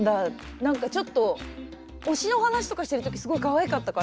なんかちょっと推しの話とかしてる時すごいかわいかったから。